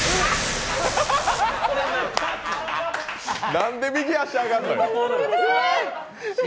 なんで右足上がんのよ。